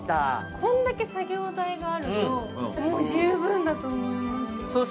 こんだけ作業台があると十分だと思います。